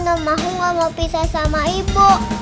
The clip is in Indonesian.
jangan sama aku gak mau pisah sama ibu